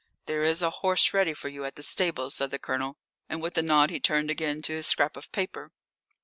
"There is a horse ready for you at the stables," said the Colonel, and with a nod he turned again to his scrap of paper.